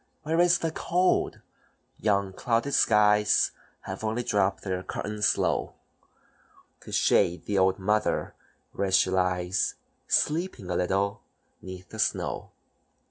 "Where is the cold? Yon clouded skies Have only dropped their curtains low To shade the old mother when she lies, Sleeping a little, 'neath the snow.